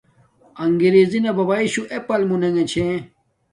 اَݣگرݵزݵ نݳ بَبݳئی شُݸ Apple مُنݵݣݺ چھݺ.